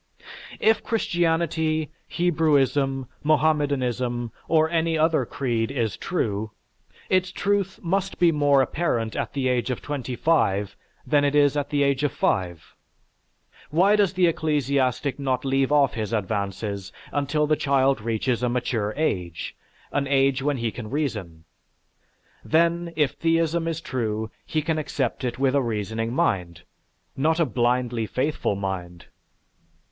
If Christianity, Hebrewism, Mohammedanism, or any other creed is true, its truth must be more apparent at the age of twenty five than it is at the age of five. Why does the ecclesiastic not leave off his advances until the child reaches a mature age, an age when he can reason? Then, if theism is true, he can accept it with a reasoning mind, not a blindly faithful mind.